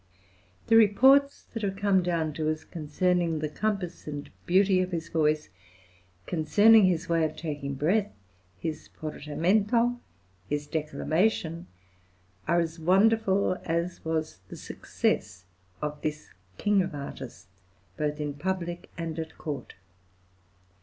The reports that have come down to us concerning the compass and beauty of his voice, concerning his way of taking breath, his portamento, his declamation, are as wonderful as was the success of this king of artists both in public and at court.